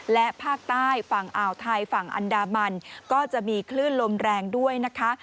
และภาคใต้ฝั่งอ่าวไทยฝั่งอันดามันก็จะมีคลื่นลมแรงด้วยนะคะ